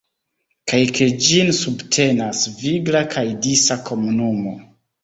Kaj ke ĝin subtenas vigla kaj disa komunumo.